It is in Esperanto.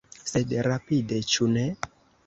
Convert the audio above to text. Sed rapide, ĉu ne?